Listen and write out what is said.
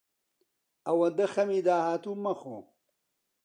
ئەوەندە خەمی داهاتوو مەخۆ.